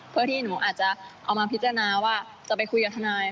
เพื่อที่หนูอาจจะเอามาพิจารณาว่าจะไปคุยกับทนาย